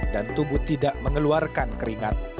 dan tubuh tidak mengeluarkan keringat